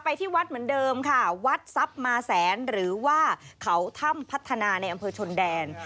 ที่วัดเหมือนเดิมค่ะวัดทรัพย์มาแสนหรือว่าเขาถ้ำพัฒนาในอำเภอชนแดน